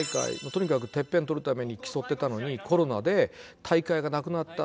とにかくてっぺんを取るために競ってたのにコロナで大会がなくなった。